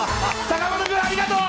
坂本君、ありがとう！